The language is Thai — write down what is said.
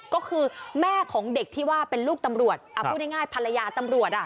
ก็คือแม่ของเด็กที่ว่าเป็นลูกตำรวจพูดง่ายภรรยาตำรวจ